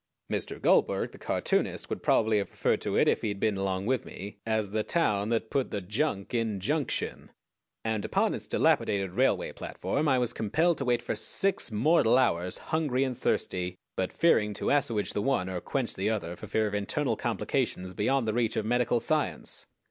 Mr. Goldberg, the cartoonist, would probably have referred to it if he had been along with me as the town that put the Junk in Junction, and upon its dilapidated railway platform I was compelled to wait for six mortal hours, hungry and thirsty, but fearing to assuage the one or quench the other for fear of internal complications beyond the reach of medical science.